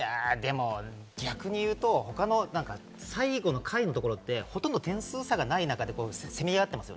逆に言うと下位のところってほとんど点数差がない中でせめぎ合っている。